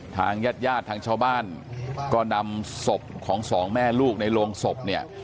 ทางญาติญาติทางชาวบ้านก็นำศพของสองแม่ลูกในโรงศพเนี่ย